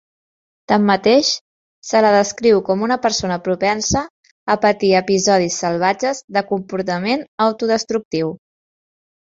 Tanmateix, se la descriu com una persona propensa a patir episodis salvatges de comportament autodestructiu.